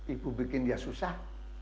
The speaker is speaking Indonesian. ibu bikin dia susah